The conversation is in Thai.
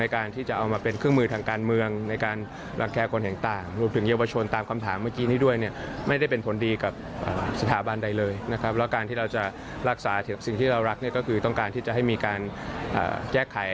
การที่เราจะรักษาสิ่งที่เรารักก็คือต้องการที่จะให้มีการแก้ไข